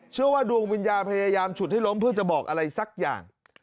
เชื่อว่าดวงวิญญาณพยายามฉุดให้ล้มเพื่อจะบอกอะไรสักอย่าง